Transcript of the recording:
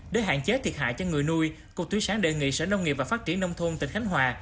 để hạn chế thiệt hại cho người nuôi cục thủy sản đề nghị sở nông nghiệp và phát triển nông thôn tỉnh khánh hòa